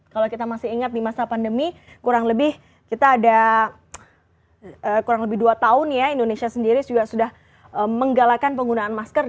kalau kita masih ingat di masa pandemi kurang lebih kita ada kurang lebih dua tahun ya indonesia sendiri juga sudah menggalakan penggunaan masker